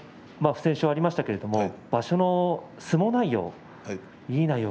不戦勝ありましたけど場所の相撲内容